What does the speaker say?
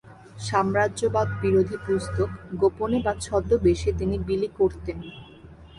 সাম্রাজ্যবাদ বিরোধী পুস্তক গোপনে বা ছদ্মবেশে তিনি বিলি করতেন।